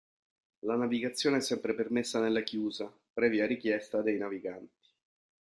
La navigazione è sempre permessa nella chiusa, previa richiesta dei naviganti.